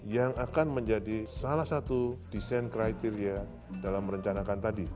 yang akan menjadi salah satu desain kriteria dalam merencanakan tadi